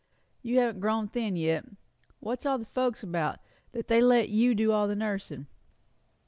You haven't grown thin yet. What's all the folks about, that they let you do all the nursing?"